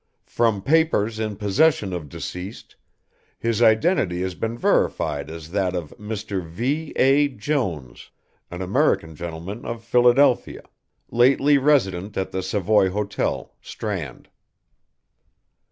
"From papers in possession of deceased, his identity has been verified as that of Mr. V. A. Jones, an American gentleman of Philadelphia, lately resident at the Savoy Hotel, Strand."